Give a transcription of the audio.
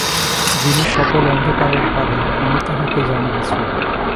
যিনি সকল অন্ধকারের পারে, আমি তাঁহাকে জানিয়াছি।